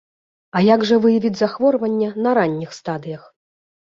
А як жа выявіць захворванне на ранніх стадыях?